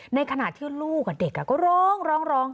ในขณะที่ลูกกับเด็กก็ร้องร้อง